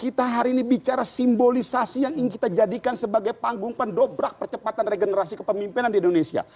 kita hari ini bicara simbolisasi yang ingin kita jadikan sebagai panggung pendobrak percepatan regenerasi kepemimpinan di indonesia